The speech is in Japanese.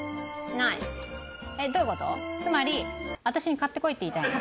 つまり私に買ってこいって言いたいの？